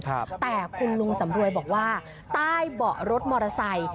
แต่คุณลุงสำรวยบอกว่าใต้เบาะรถมอเตอร์ไซค์